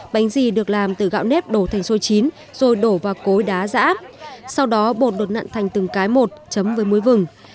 bánh gì được làm từ gạo nếp đổ thành xôi chín rồi đổ vào cối đá dã sau đó bột đột nặn thành từng cái một chấm với muối vừng